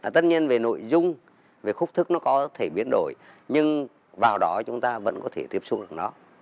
tất nhiên về nội dung về khúc thức nó có thể biến đổi nhưng vào đó chúng ta vẫn có thể tiếp xúc được nó